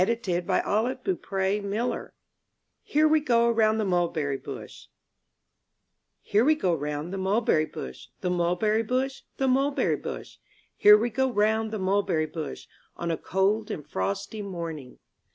42 IN THE NURSERY HERE WE GO ROUND THE MULBERRY BUSH TTERE we go round the mulberry bush, ■■^ The mulberry bush, the mulberry bush ; Here we go round the mulberry bush, On a cold and frosty morning.